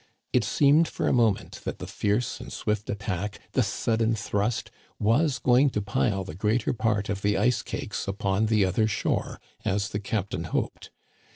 It seemed for a moment that the fierce and swift attack, the sudden thrust, was going to pile the greater part of the ice cakes upon the other shore as the captain hoped.